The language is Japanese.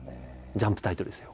「ジャンプ」タイトルですよ。